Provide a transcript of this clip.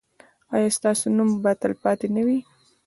ایا ستاسو نوم به تلپاتې نه وي؟